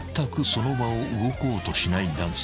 その場を動こうとしない男性］